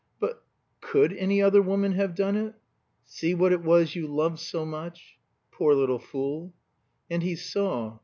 But could any other woman have done it? "See what it was you loved so much." Poor little fool! And he saw.